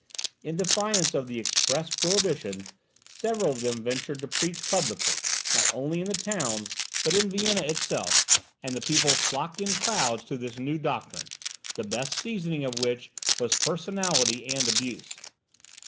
In defiance of the express prohibition, several of them ventured to preach publicly, not only in the towns, but in Vienna itself, and the people flocked in crowds to this new doctrine, the best seasoning of which was personality and abuse.